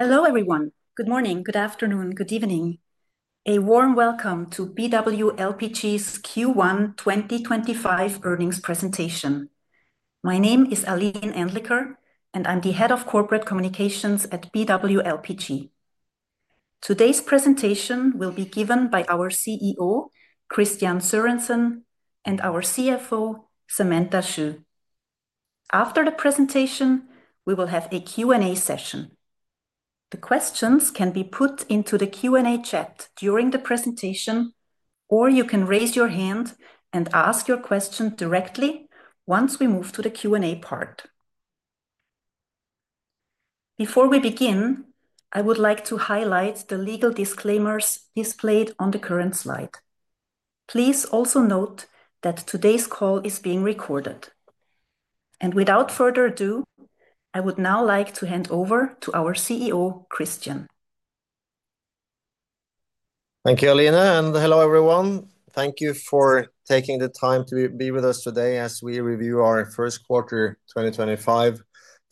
Hello everyone, good morning, good afternoon, good evening. A warm welcome to BW LPG's Q1 2025 earnings presentation. My name is Aline Anliker, and I'm the Head of Corporate Communications at BW LPG. Today's presentation will be given by our CEO, Kristian Sørensen, and our CFO, Samantha Xu. After the presentation, we will have a Q&A session. The questions can be put into the Q&A chat during the presentation, or you can raise your hand and ask your question directly once we move to the Q&A part. Before we begin, I would like to highlight the legal disclaimers displayed on the current slide. Please also note that today's call is being recorded. Without further ado, I would now like to hand over to our CEO, Kristian. Thank you, Aline, and hello everyone. Thank you for taking the time to be with us today as we review our first quarter 2025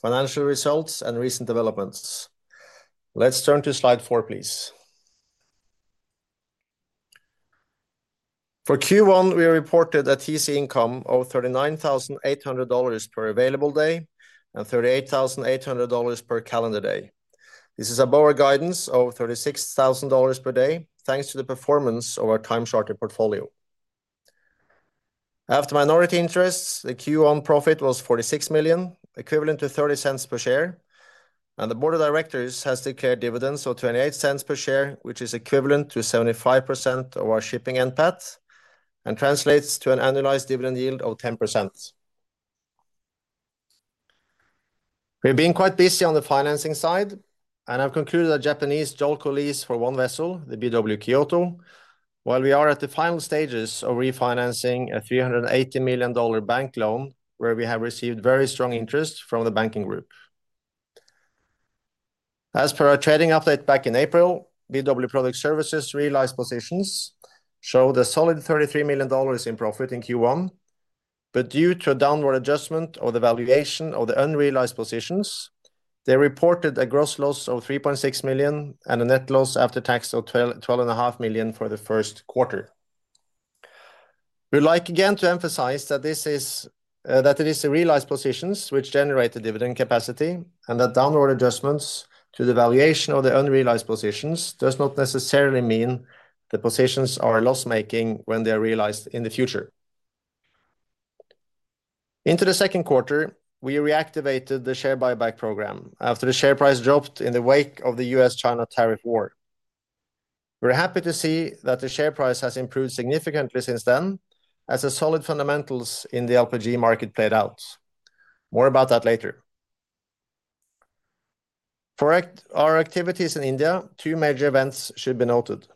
financial results and recent developments. Let's turn to slide four, please. For Q1, we reported a TC income of $39,800 per available day and $38,800 per calendar day. This is above our guidance of $36,000 per day, thanks to the performance of our time-shorted portfolio. After minority interests, the Q1 profit was $46 million, equivalent to $0.30 per share. The board of directors has declared dividends of $0.28 per share, which is equivalent to 75% of our shipping NPAT and translates to an annualized dividend yield of 10%. We've been quite busy on the financing side, and I've concluded a Japanese JOLCO lease for one vessel, the BW Kyoto, while we are at the final stages of refinancing a $380 million bank loan where we have received very strong interest from the banking group. As per our trading update back in April, BW Product Services realized positions showed a solid $33 million in profit in Q1, but due to a downward adjustment of the valuation of the unrealized positions, they reported a gross loss of $3.6 million and a net loss after tax of $12.5 million for the first quarter. We'd like again to emphasize that this is that it is the realized positions which generate the dividend capacity and that downward adjustments to the valuation of the unrealized positions do not necessarily mean the positions are loss-making when they are realized in the future. Into the second quarter, we reactivated the share buyback program after the share price dropped in the wake of the U.S.-China tariff war. We're happy to see that the share price has improved significantly since then, as the solid fundamentals in the LPG market played out. More about that later. For our activities in India, two major events should be noted.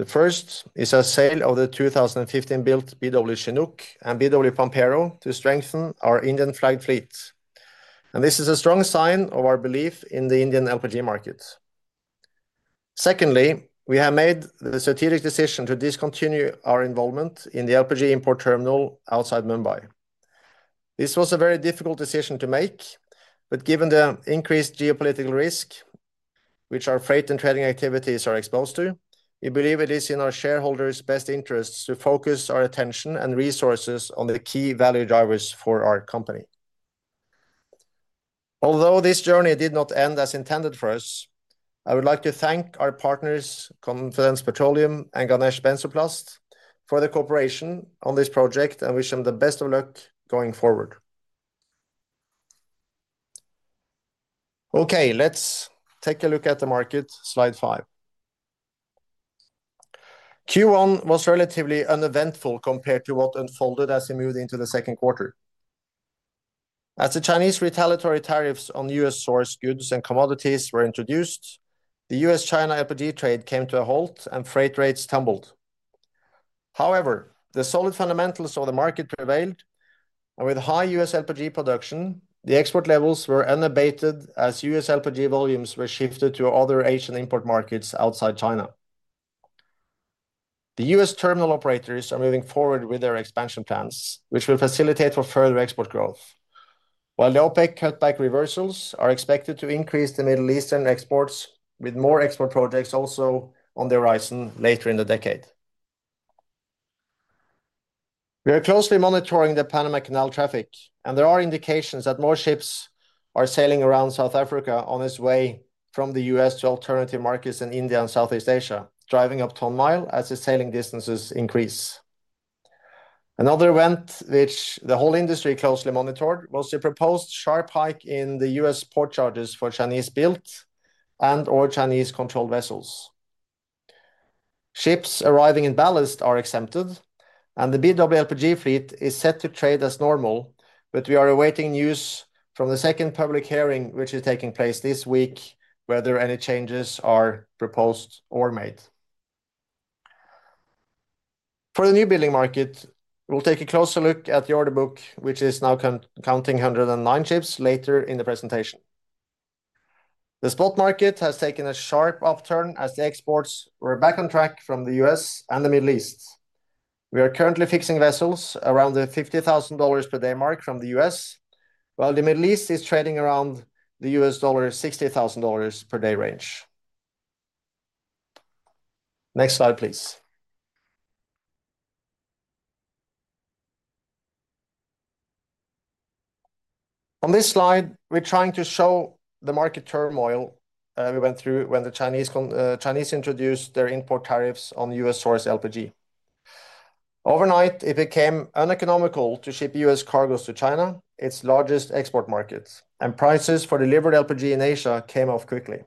The first is a sale of the 2015-built BW Chinook and BW Pampero to strengthen our Indian flag fleet. This is a strong sign of our belief in the Indian LPG market. Secondly, we have made the strategic decision to discontinue our involvement in the LPG import terminal outside Mumbai. This was a very difficult decision to make, but given the increased geopolitical risk, which our freight and trading activities are exposed to, we believe it is in our shareholders' best interests to focus our attention and resources on the key value drivers for our company. Although this journey did not end as intended for us, I would like to thank our partners, Confidence Petroleum and Ganesh Benzoplast, for the cooperation on this project and wish them the best of luck going forward. Okay, let's take a look at the market, slide five. Q1 was relatively uneventful compared to what unfolded as we moved into the second quarter. As the Chinese retaliatory tariffs on U.S. source goods and commodities were introduced, the U.S.-China LPG trade came to a halt and freight rates tumbled. However, the solid fundamentals of the market prevailed, and with high U.S. LPG production, the export levels were elevated as U.S. LPG volumes were shifted to other Asian import markets outside China. The U.S. terminal operators are moving forward with their expansion plans, which will facilitate further export growth, while the OPEC cutback reversals are expected to increase the Middle Eastern exports, with more export projects also on the horizon later in the decade. We are closely monitoring the Panama Canal traffic, and there are indications that more ships are sailing around South Africa on its way from the U.S. to alternative markets in India and Southeast Asia, driving up to a mile as the sailing distances increase. Another event, which the whole industry closely monitored, was the proposed sharp hike in the U.S. port charges for Chinese-built and/or Chinese-controlled vessels. Ships arriving in ballast are exempted, and the BW LPG fleet is set to trade as normal, but we are awaiting news from the second public hearing, which is taking place this week, whether any changes are proposed or made. For the new building market, we'll take a closer look at the order book, which is now counting 109 ships later in the presentation. The spot market has taken a sharp upturn as the exports were back on track from the U.S. and the Middle East. We are currently fixing vessels around the $50,000 per day mark from the U.S., while the Middle East is trading around the $60,000 per day range. Next slide, please. On this slide, we're trying to show the market turmoil we went through when the Chinese introduced their import tariffs on U.S. source LPG. Overnight, it became uneconomical to ship U.S. cargoes to China, its largest export market, and prices for delivered LPG in Asia came off quickly.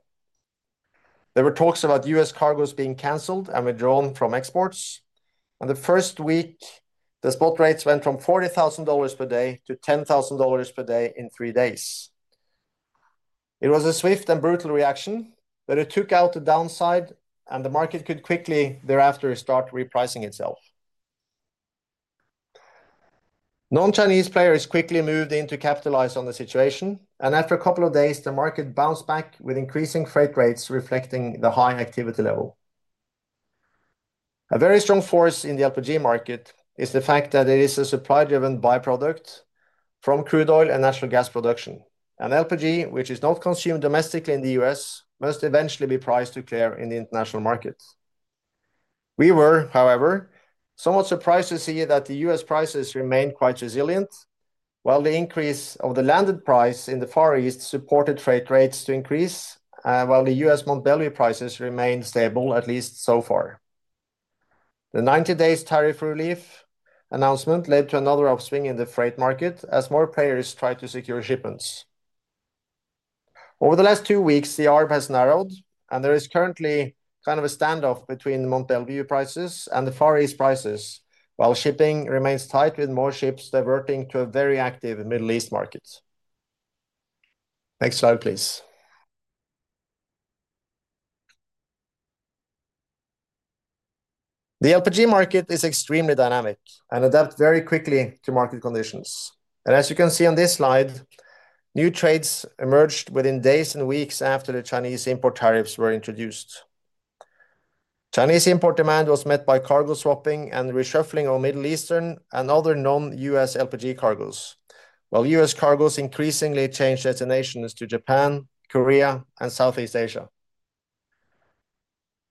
There were talks about U.S. cargoes being canceled and withdrawn from exports. In the first week, the spot rates went from $40,000 per day to $10,000 per day in three days. It was a swift and brutal reaction, but it took out the downside, and the market could quickly thereafter start repricing itself. Non-Chinese players quickly moved in to capitalize on the situation, and after a couple of days, the market bounced back with increasing freight rates reflecting the high activity level. A very strong force in the LPG market is the fact that it is a supply-driven byproduct from crude oil and natural gas production, and LPG, which is not consumed domestically in the U.S., must eventually be priced to clear in the international market. We were, however, somewhat surprised to see that the U.S. prices remained quite resilient, while the increase of the landed price in the Far East supported freight rates to increase, while the U.S. Mont Belvieu prices remained stable, at least so far. The 90-day tariff relief announcement led to another upswing in the freight market as more players tried to secure shipments. Over the last two weeks, the arc has narrowed, and there is currently kind of a standoff between the Mont Belvieu prices and the Far East prices, while shipping remains tight, with more ships diverting to a very active Middle East markets. Next slide, please. The LPG market is extremely dynamic and adapts very quickly to market conditions. As you can see on this slide, new trades emerged within days and weeks after the Chinese import tariffs were introduced. Chinese import demand was met by cargo swapping and reshuffling of Middle Eastern and other non-U.S. LPG cargoes, while U.S. cargoes increasingly changed destinations to Japan, Korea, and Southeast Asia.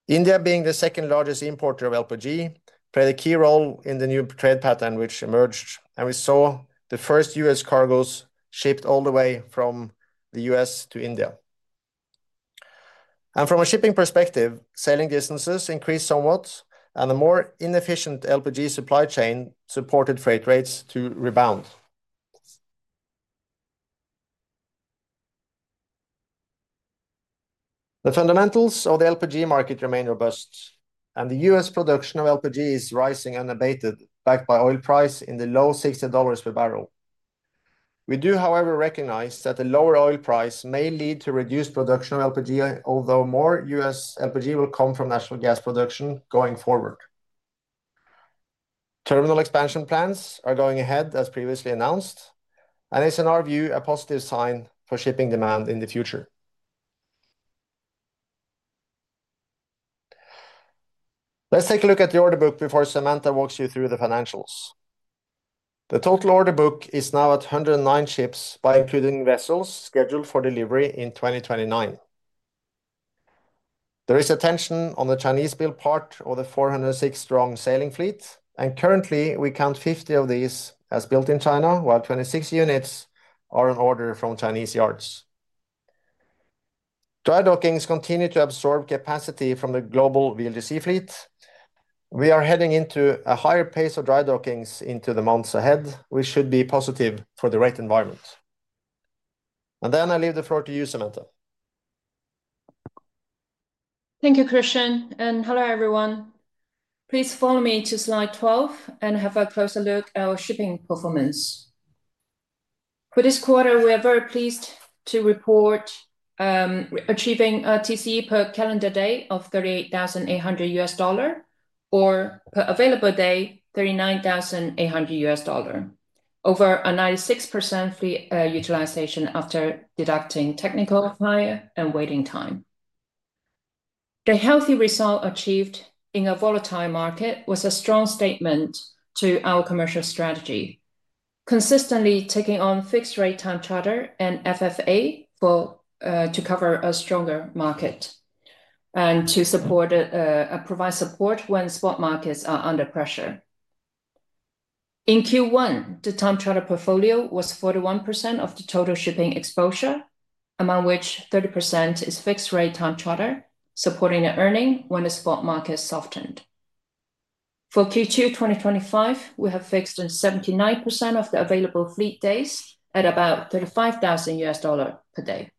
India, being the second largest importer of LPG, played a key role in the new trade pattern which emerged, and we saw the first U.S. cargoes shipped all the way from the U.S. to India. From a shipping perspective, sailing distances increased somewhat, and the more inefficient LPG supply chain supported freight rates to rebound. The fundamentals of the LPG market remain robust, and the U.S. production of LPG is rising unabated, backed by oil price in the low $60 per barrel. We do, however, recognize that the lower oil price may lead to reduced production of LPG, although more U.S. LPG will come from natural gas production going forward. Terminal expansion plans are going ahead, as previously announced, and it's in our view a positive sign for shipping demand in the future. Let's take a look at the order book before Samantha walks you through the financials. The total order book is now at 109 ships by including vessels scheduled for delivery in 2029. There is attention on the Chinese-built part of the 406-strong sailing fleet, and currently, we count 50 of these as built in China, while 26 units are on order from Chinese yards. Dry dockings continue to absorb capacity from the global VLGC fleet. We are heading into a higher pace of dry dockings into the months ahead, which should be positive for the rate environment. I leave the floor to you, Samantha. Thank you, Kristian. Hello, everyone. Please follow me to slide 12 and have a closer look at our shipping performance. For this quarter, we are very pleased to report achieving a TC per calendar day of $38,800 or per available day, $39,800, over a 96% utilization after deducting technical hire and waiting time. The healthy result achieved in a volatile market was a strong statement to our commercial strategy, consistently taking on fixed rate time charter and FFA to cover a stronger market and to provide support when spot markets are under pressure. In Q1, the time charter portfolio was 41% of the total shipping exposure, among which 30% is fixed rate time charter, supporting the earning when the spot market softened. For Q2 2025, we have fixed in 79% of the available fleet days at about $35,000 per day.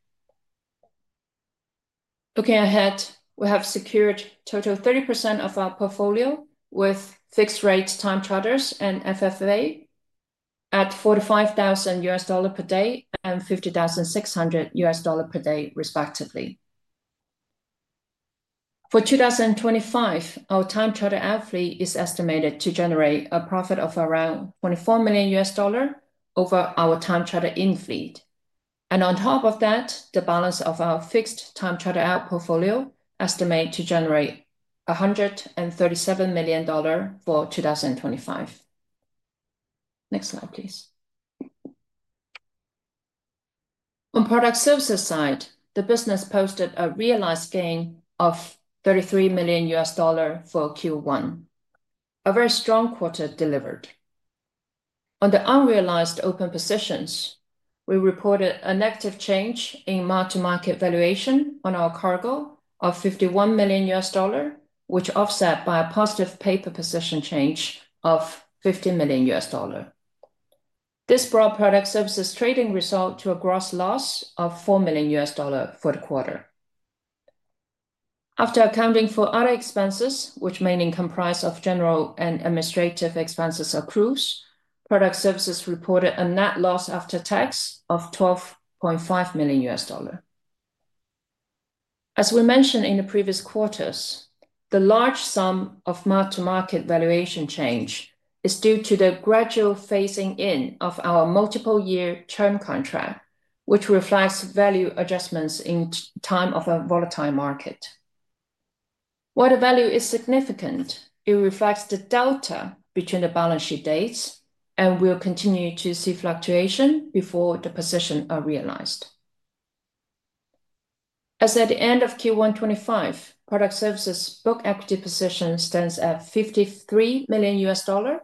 Looking ahead, we have secured a total of 30% of our portfolio with fixed rate time charters and FFA at $45,000 per day and $50,600 per day, respectively. For 2025, our time charter out fleet is estimated to generate a profit of around $24 million over our time charter in fleet. On top of that, the balance of our fixed time charter out portfolio is estimated to generate $137 million for 2025. Next slide, please. On the Product Services side, the business posted a realized gain of $33 million for Q1, a very strong quarter delivered. On the unrealized open positions, we reported a negative change in market valuation on our cargo of $51 million, which offset by a positive paper position change of $15 million. This brought Product Services trading result to a gross loss of $4 million for the quarter. After accounting for other expenses, which mainly comprise of general and administrative expenses of cruise, Product Services reported a net loss after tax of $12.5 million. As we mentioned in the previous quarters, the large sum of market valuation change is due to the gradual phasing in of our multiple-year term contract, which reflects value adjustments in time of a volatile market. While the value is significant, it reflects the delta between the balance sheet dates, and we'll continue to see fluctuation before the positions are realized. As at the end of Q1 2025, Product Services book equity position stands at $53 million.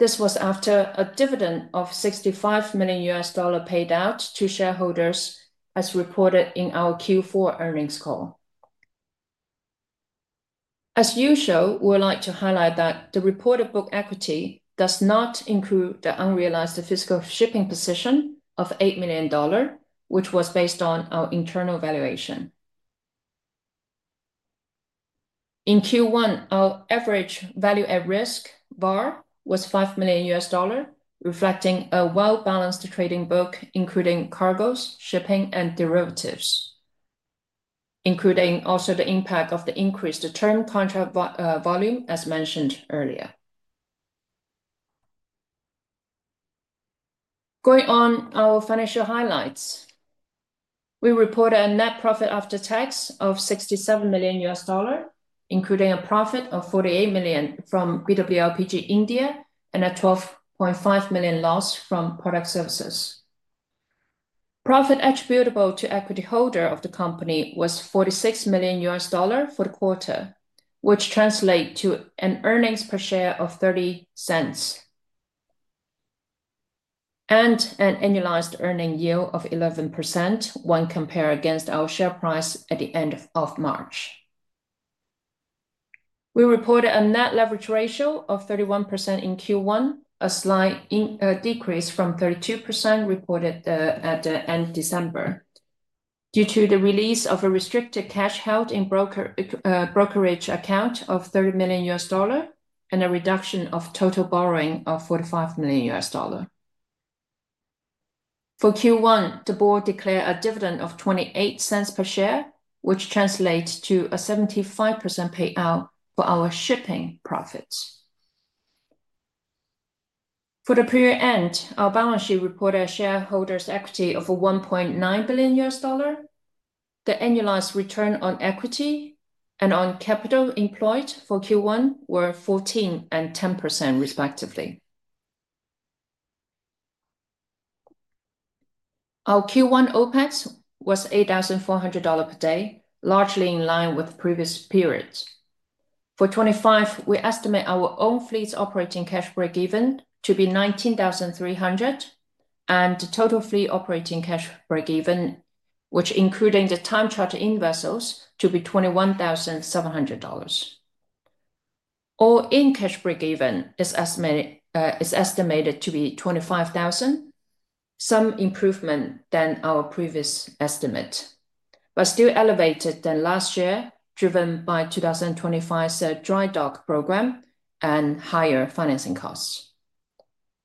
This was after a dividend of $65 million paid out to shareholders, as reported in our Q4 earnings call. As usual, we would like to highlight that the reported book equity does not include the unrealized physical shipping position of $8 million, which was based on our internal valuation. In Q1, our average value at risk, VAR, was $5 million, reflecting a well-balanced trading book, including cargoes, shipping, and derivatives, including also the impact of the increased term contract volume, as mentioned earlier. Going on our financial highlights, we reported a net profit after tax of $67 million, including a profit of $48 million from BW LPG India and a $12.5 million loss from Product Services. Profit attributable to equity holder of the company was $46 million for the quarter, which translates to an earnings per share of $0.30 and an annualized earning yield of 11% when compared against our share price at the end of March. We reported a net leverage ratio of 31% in Q1, a slight decrease from 32% reported at the end of December due to the release of a restricted cash held in brokerage account of $30 million and a reduction of total borrowing of $45 million. For Q1, the board declared a dividend of $0.28 per share, which translates to a 75% payout for our shipping profits. For the period end, our balance sheet reported a shareholders' equity of $1.9 billion. The annualized return on equity and on capital employed for Q1 were 14% and 10%, respectively. Our Q1 OPEX was $8,400 per day, largely in line with previous periods. For 2025, we estimate our own fleet's operating cash break-even to be $19,300 and the total fleet operating cash break-even, which, including the time charter in vessels, to be $21,700. All-in cash break-even is estimated to be $25,000, some improvement than our previous estimate, but still elevated than last year, driven by 2025's dry dock program and higher financing costs.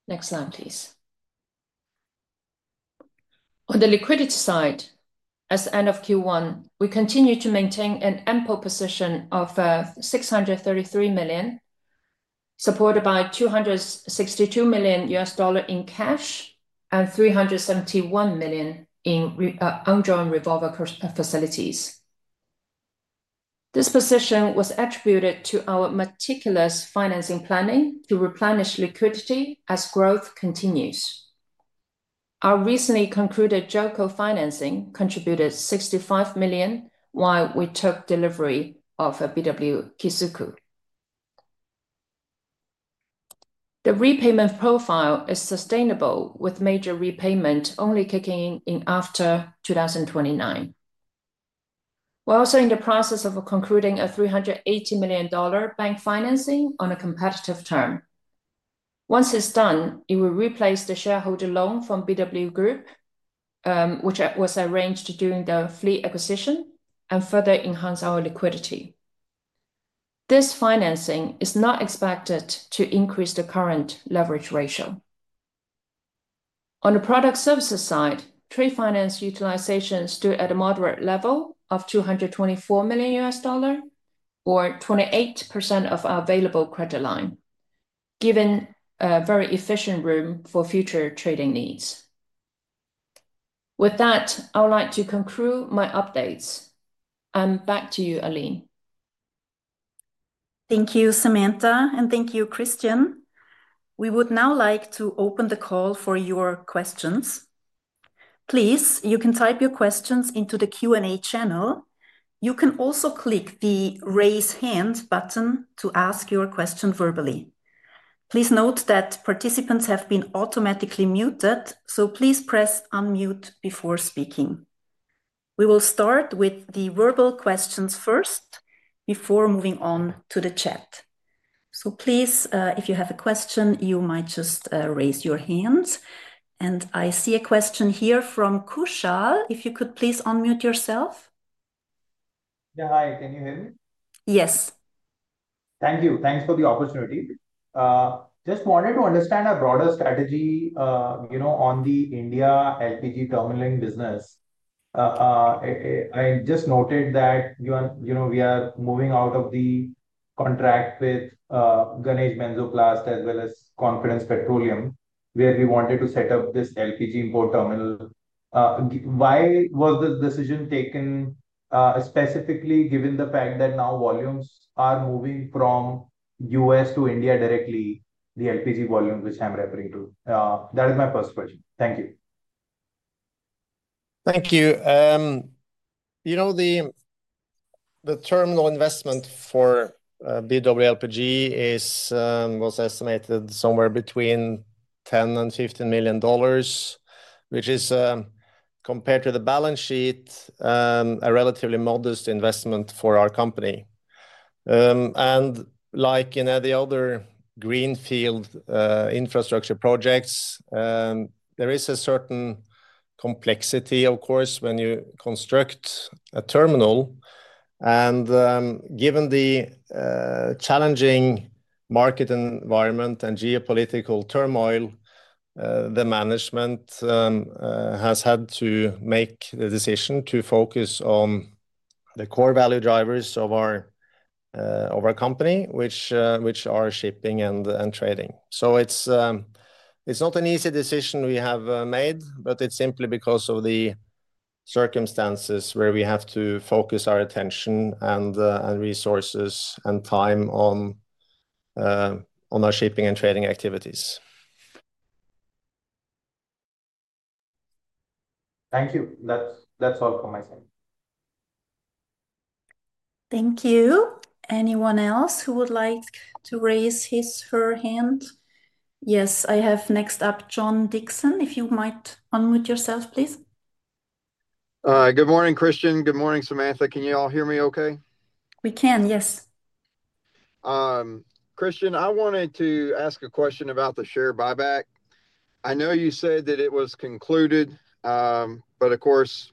Next slide, please. On the liquidity side, as the end of Q1, we continue to maintain an ample position of $633 million, supported by $262 million in cash and $371 million in ongoing revolver facilities. This position was attributed to our meticulous financing planning to replenish liquidity as growth continues. Our recently concluded JOCO financing contributed $65 million while we took delivery of a BW Kisuku. The repayment profile is sustainable, with major repayment only kicking in after 2029. We're also in the process of concluding a $380 million bank financing on a competitive term. Once it's done, it will replace the shareholder loan from BW Group, which was arranged during the fleet acquisition, and further enhance our liquidity. This financing is not expected to increase the current leverage ratio. On the Product Services side, trade finance utilization stood at a moderate level of $224 million, or 28% of our available credit line, giving very efficient room for future trading needs. With that, I would like to conclude my updates. Back to you, Aline. Thank you, Samantha, and thank you, Kristian. We would now like to open the call for your questions. Please, you can type your questions into the Q&A channel. You can also click the raise hand button to ask your question verbally. Please note that participants have been automatically muted, so please press unmute before speaking. We will start with the verbal questions first before moving on to the chat. If you have a question, you might just raise your hands. I see a question here from Kushal. If you could please unmute yourself. Yeah, hi. Can you hear me? Yes. Thank you. Thanks for the opportunity. Just wanted to understand our broader strategy on the India LPG terminaling business. I just noted that we are moving out of the contract with Ganesh Benzoplast as well as Confidence Petroleum, where we wanted to set up this LPG import terminal. Why was this decision taken, specifically given the fact that now volumes are moving from U.S. to India directly, the LPG volumes which I'm referring to? That is my first question. Thank you. Thank you. The terminal investment for BW LPG was estimated somewhere between $10 million and $15 million, which is, compared to the balance sheet, a relatively modest investment for our company. Like in the other greenfield infrastructure projects, there is a certain complexity, of course, when you construct a terminal. Given the challenging market environment and geopolitical turmoil, the management has had to make the decision to focus on the core value drivers of our company, which are shipping and trading. It is not an easy decision we have made, but it is simply because of the circumstances where we have to focus our attention and resources and time on our shipping and trading activities. Thank you. That's all from my side. Thank you. Anyone else who would like to raise his or her hand? Yes, I have next up John Dixon. If you might unmute yourself, please. Good morning, Kristian. Good morning, Samantha. Can you all hear me okay? We can, yes. Kristian, I wanted to ask a question about the share buyback. I know you said that it was concluded, but of course,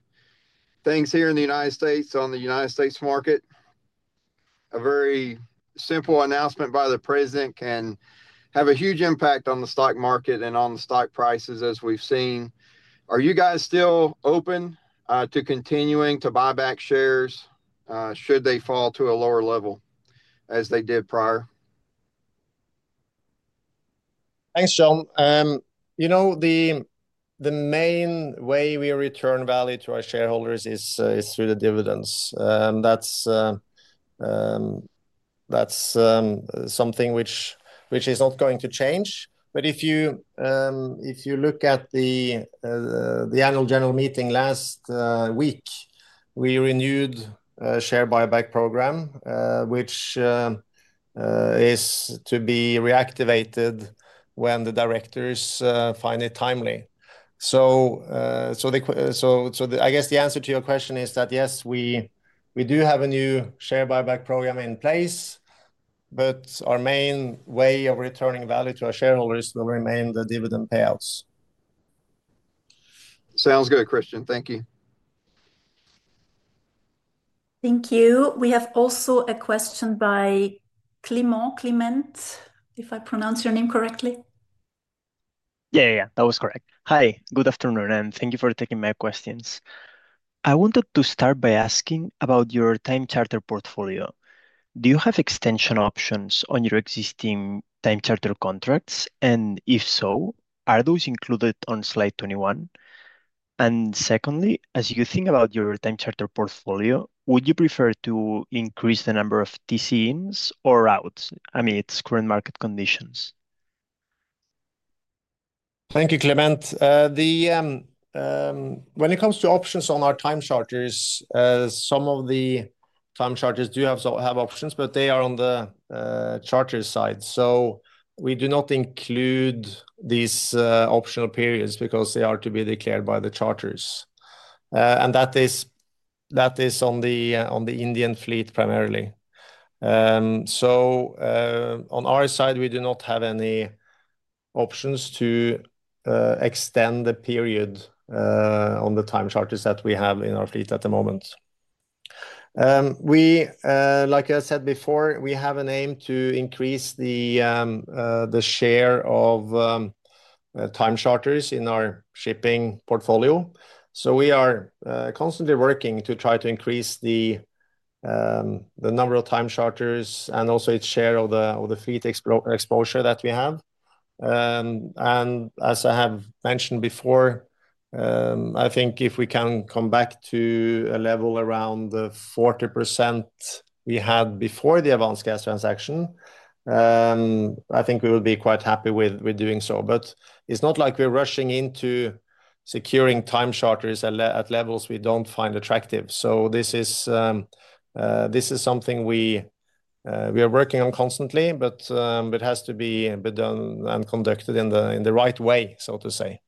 things here in the U.S., on the U.S. market, a very simple announcement by the president can have a huge impact on the stock market and on the stock prices, as we've seen. Are you guys still open to continuing to buy back shares should they fall to a lower level as they did prior? Thanks, John. The main way we return value to our shareholders is through the dividends. That's something which is not going to change. If you look at the annual general meeting last week, we renewed a share buyback program, which is to be reactivated when the directors find it timely. I guess the answer to your question is that yes, we do have a new share buyback program in place, but our main way of returning value to our shareholders will remain the dividend payouts. Sounds good, Kristian. Thank you. Thank you. We have also a question by Clement, if I pronounce your name correctly. Yeah, yeah, that was correct. Hi, good afternoon, and thank you for taking my questions. I wanted to start by asking about your time charter portfolio. Do you have extension options on your existing time charter contracts? If so, are those included on slide 21? Secondly, as you think about your time charter portfolio, would you prefer to increase the number of TCINs or out amid current market conditions? Thank you, Clement. When it comes to options on our time charters, some of the time charters do have options, but they are on the charter side. We do not include these optional periods because they are to be declared by the charters. That is on the Indian fleet primarily. On our side, we do not have any options to extend the period on the time charters that we have in our fleet at the moment. Like I said before, we have an aim to increase the share of time charters in our shipping portfolio. We are constantly working to try to increase the number of time charters and also its share of the fleet exposure that we have. As I have mentioned before, I think if we can come back to a level around the 40% we had before the Avance Gas transaction, I think we would be quite happy with doing so. It is not like we are rushing into securing time charters at levels we do not find attractive. This is something we are working on constantly, but it has to be done and conducted in the right way, so to say.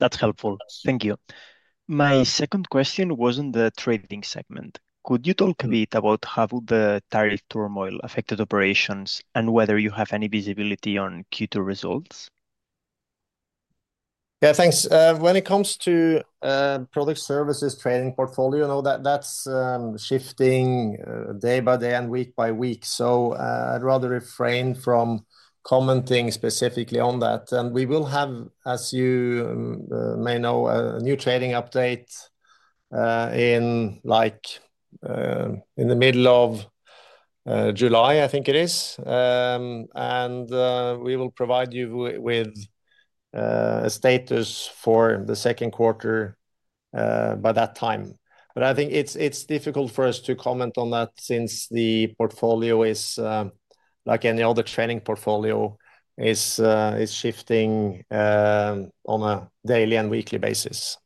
That's helpful. Thank you. My second question was on the trading segment. Could you talk a bit about how the tariff turmoil affected operations and whether you have any visibility on Q2 results? Yeah, thanks. When it comes to Product Services trading portfolio, that's shifting day by day and week by week. I'd rather refrain from commenting specifically on that. We will have, as you may know, a new trading update in the middle of July, I think it is. We will provide you with a status for the second quarter by that time. I think it's difficult for us to comment on that since the portfolio, like any other trading portfolio, is shifting on a daily and weekly basis.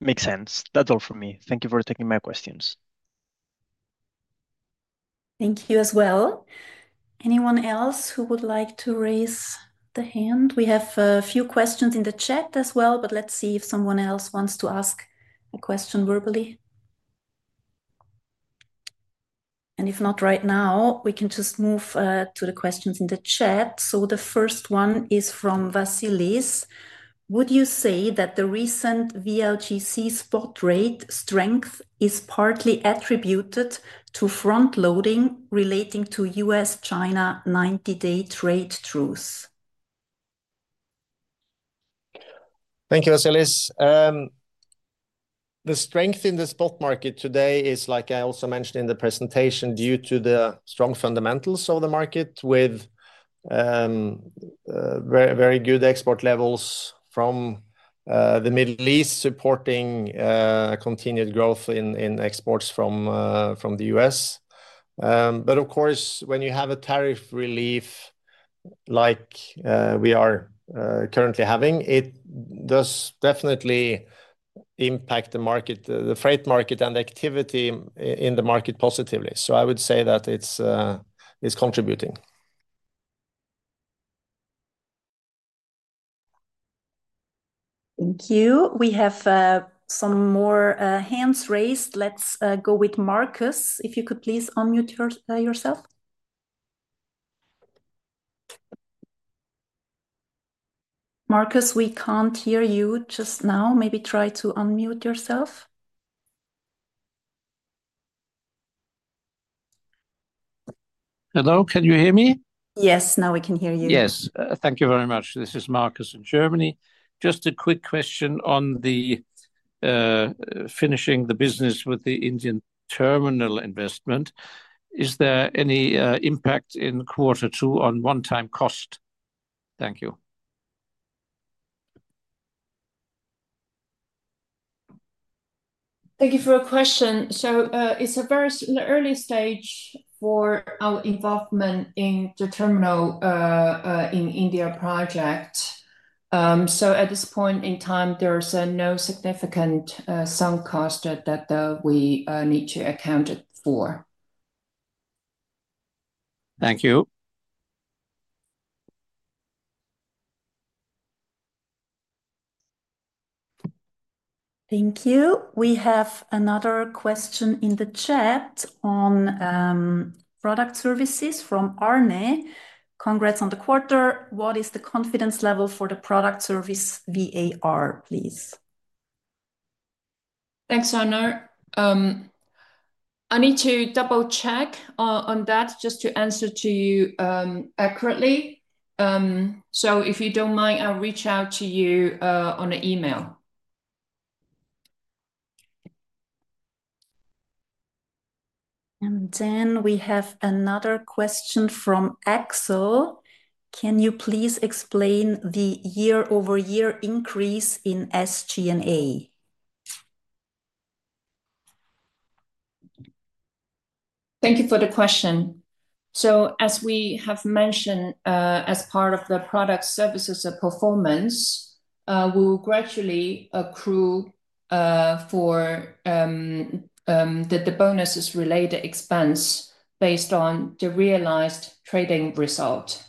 Makes sense. That's all from me. Thank you for taking my questions. Thank you as well. Anyone else who would like to raise the hand? We have a few questions in the chat as well, but let's see if someone else wants to ask a question verbally. If not right now, we can just move to the questions in the chat. The first one is from Vasilis. Would you say that the recent VLGC spot rate strength is partly attributed to front-loading relating to U.S.-China 90-day trade truce? Thank you, Vasilis. The strength in the spot market today is, like I also mentioned in the presentation, due to the strong fundamentals of the market with very good export levels from the Middle East supporting continued growth in exports from the U.S.. Of course, when you have a tariff relief like we are currently having, it does definitely impact the market, the freight market, and activity in the market positively. I would say that it's contributing. Thank you. We have some more hands raised. Let's go with Marcus. If you could please unmute yourself. Marcus, we can't hear you just now. Maybe try to unmute yourself. Hello, can you hear me? Yes, now we can hear you. Yes, thank you very much. This is Marcus in Germany. Just a quick question on finishing the business with the Indian terminal investment. Is there any impact in quarter two on one-time cost? Thank you. Thank you for your question. It's a very early stage for our involvement in the terminal in India project. At this point in time, there's no significant sunk cost that we need to account for. Thank you. Thank you. We have another question in the chat on Product Services from Arne. Congrats on the quarter. What is the confidence level for the Product Service VAR, please? Thanks, Arne. I need to double-check on that just to answer to you accurately. If you don't mind, I'll reach out to you on an email. We have another question from Axel. Can you please explain the year-over-year increase in SG&A? Thank you for the question. As we have mentioned, as part of the Product Services performance, we will gradually accrue for the bonuses-related expense based on the realized trading result.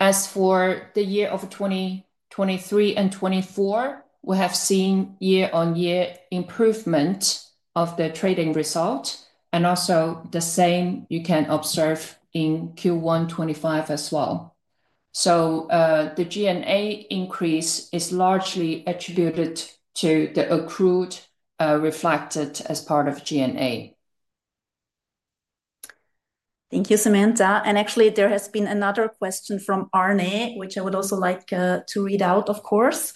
As for the year of 2023 and 2024, we have seen year-on-year improvement of the trading result. The same you can observe in Q1 2025 as well. The G&A increase is largely attributed to the accrued reflected as part of G&A. Thank you, Samantha. Actually, there has been another question from Arne, which I would also like to read out, of course.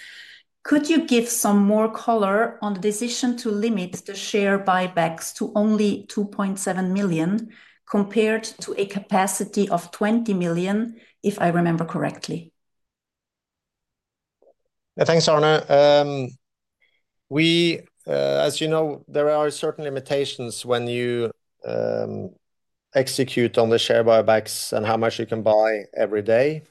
Could you give some more color on the decision to limit the share buybacks to only 2.7 million compared to a capacity of 20 million, if I remember correctly? Yeah, thanks, Arne. As you know, there are certain limitations when you execute on the share buybacks and how much you can buy every day.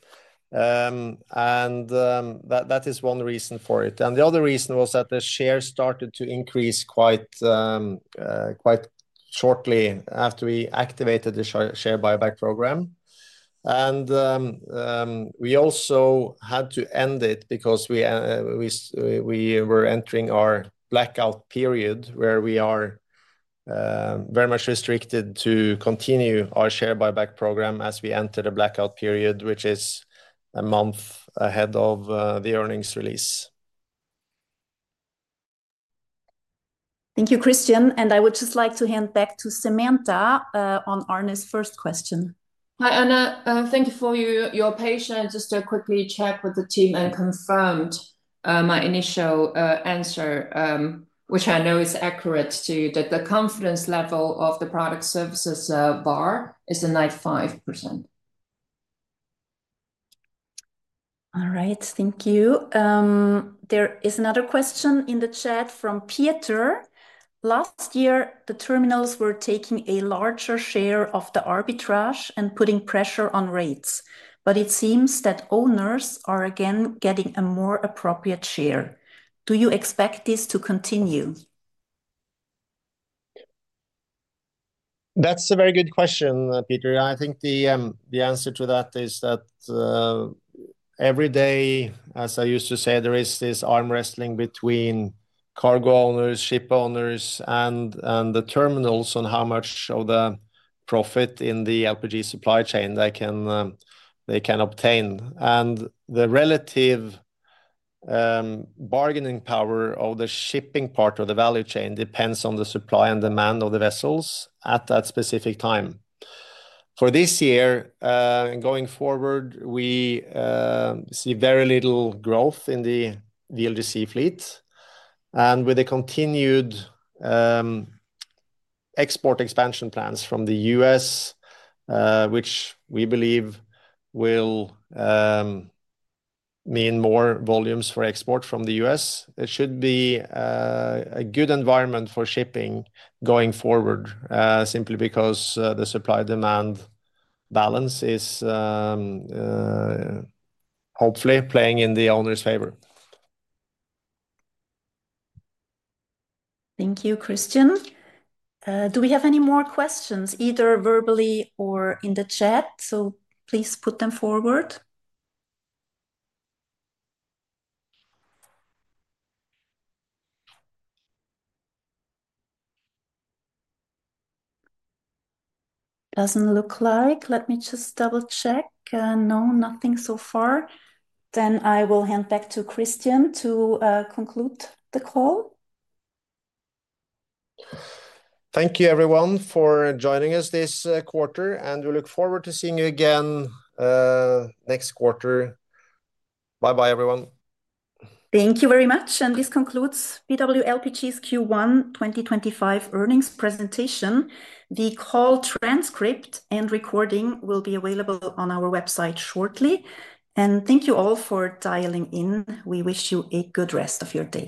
That is one reason for it. The other reason was that the share started to increase quite shortly after we activated the share buyback program. We also had to end it because we were entering our blackout period where we are very much restricted to continue our share buyback program as we enter the blackout period, which is a month ahead of the earnings release. Thank you, Kristian. I would just like to hand back to Samantha on Arne's first question. Hi, Arne. Thank you for your patience. Just to quickly check with the team and confirmed my initial answer, which I know is accurate to the confidence level of the Product Services bar is a 95%. All right, thank you. There is another question in the chat from Pieter. Last year, the terminals were taking a larger share of the arbitrage and putting pressure on rates. It seems that owners are again getting a more appropriate share. Do you expect this to continue? That's a very good question, Pieter. I think the answer to that is that every day, as I used to say, there is this arm wrestling between cargo owners, ship owners, and the terminals on how much of the profit in the LPG supply chain they can obtain. The relative bargaining power of the shipping part of the value chain depends on the supply and demand of the vessels at that specific time. For this year and going forward, we see very little growth in the VLGC fleet. With the continued export expansion plans from the U.S., which we believe will mean more volumes for export from the U.S., it should be a good environment for shipping going forward simply because the supply-demand balance is hopefully playing in the owners' favor. Thank you, Kristian. Do we have any more questions, either verbally or in the chat? Please put them forward. Does not look like. Let me just double-check. No, nothing so far. Then I will hand back to Kristian to conclude the call. Thank you, everyone, for joining us this quarter. We look forward to seeing you again next quarter. Bye-bye, everyone. Thank you very much. This concludes BW LPG's Q1 2025 earnings presentation. The call transcript and recording will be available on our website shortly. Thank you all for dialing in. We wish you a good rest of your day.